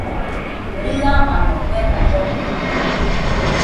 Rɨamamo kuena llogɨdote